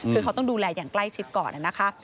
คือเขาต้องดูแลอย่างใกล้ชิดก่อนนะคะ